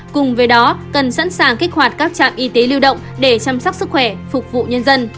cùng với đó cần sẵn sàng kích hoạt các trạm y tế lưu động để chăm sóc sức khỏe phục vụ nhân dân